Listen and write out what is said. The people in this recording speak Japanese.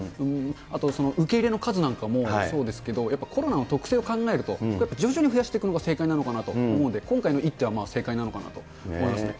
あと、受け入れの数なんかもそうですけど、やっぱりコロナの特性を考えると、やっぱ徐々に増やしていくのが正解なのかなと思うので、今回の一手は、まあ正解なのかなと思いますね。